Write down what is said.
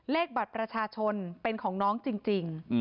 เลขบัตรประชาชนเป็นของน้องจริง